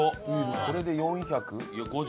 これで４００。